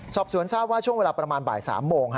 สอบสวนทราบว่าช่วงเวลาประมาณบ่าย๓โมง